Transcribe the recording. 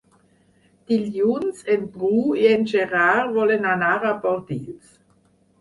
Dilluns en Bru i en Gerard volen anar a Bordils.